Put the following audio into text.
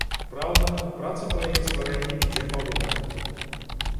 Праўда, праца па яе стварэнні ідзе павольна.